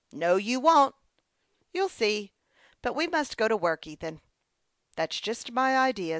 " No, you won't." " You see ! But we must go to work, Ethan." " That's just my idea."